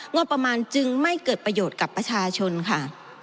งบประมาณจึงไม่เกิดประโยชน์กับประชาชนค่ะ